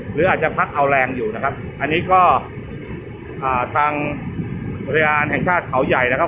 หรืออาจจะพักเอาแรงอยู่นะครับอันนี้ก็อ่าทางบริหารแห่งชาติเขาใหญ่นะครับ